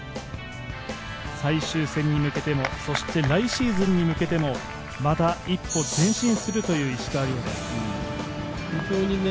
最終戦に向けても、そして来シーズンに向けてもまた一歩前進するという石川遼です。